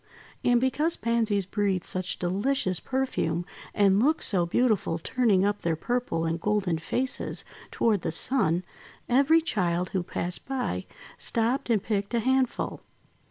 And because Pansies breathed such delicious perfume, and looked so beautiful turning up their purple and golden faces toward the Sun, every child who passed by stopped and picked a handful.